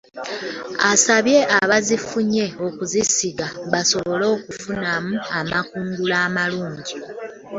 Asabye abazifunye okuzisiga basobole okufunamu amakungula amalungi.